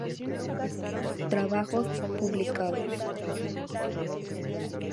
Trabajos publicados